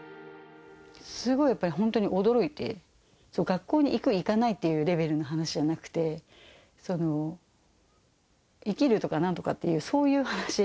すごいやっぱり本当に驚いて、学校に行く、行かないっていうレベルの話じゃなくて、生きるとかなんとかっていう、そういう話。